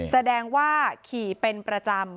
แสดงว่าขี่เป็นประจำ